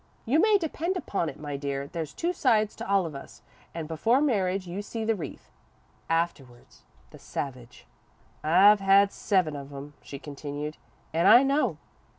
You may depend upon it, my dear, there's two sides to all of us, an' before marriage, you see the wreath afterwards a savage. "I've had seven of 'em," she continued, "an' I know.